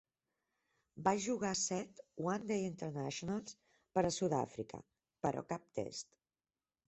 Va jugar set One Day Internationals per a Sud-àfrica, però cap Test.